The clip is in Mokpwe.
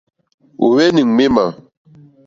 Ó hwélì̀ ŋměmà.